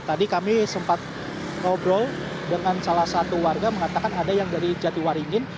tadi kami sempat ngobrol dengan salah satu warga mengatakan ada yang dari jatiwaringin